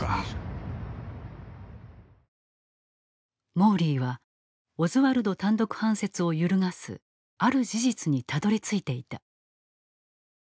モーリーはオズワルド単独犯説を揺るがすある事実にたどりついていた。